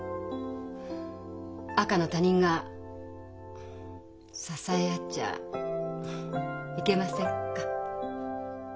赤の他人が支え合っちゃいけませんか？